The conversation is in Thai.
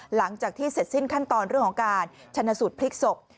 หลังจากที่เสร็จสิ้นขั้นตอนเรื่องของการชนะสูตรพลิกศพ